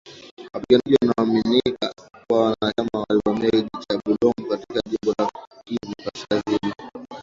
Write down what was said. wapiganaji wanaoaminika kuwa wanachama walivamia kijiji cha Bulongo katika jimbo la Kivu kaskazini